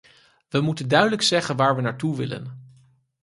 We moeten duidelijk zeggen waar we naartoe willen.